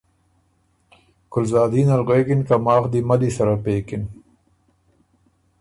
ګلزادین ال غوېکِن که ”ماخ دی ملّی سره پېکِن“۔